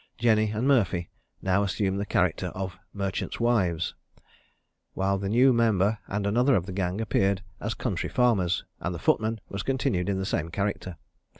Jenny and Murphy now assumed the character of merchants' wives, while the new member and another of the gang appeared as country farmers, and the footman was continued in the same character.